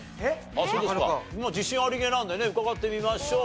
自信ありげなんでね伺ってみましょう。